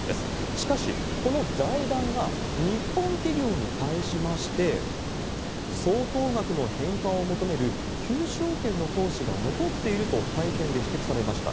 しかし、この財団が日本企業に対しまして、相当額の返還を求める求償権の行使が残っていると、会見で指摘されました。